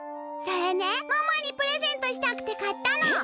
それねママにプレゼントしたくてかったの。